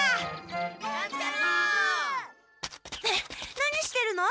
何してるの？